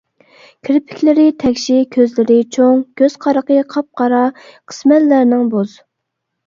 كىرپىكلىرى تەكشى، كۆزلىرى چوڭ، كۆز قارىقى قاپقارا، قىسمەنلىرىنىڭ بوز.